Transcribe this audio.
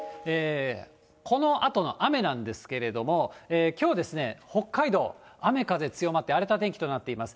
このあとの雨なんですけれども、きょうですね、北海道、雨風強まって、荒れた天気となっています。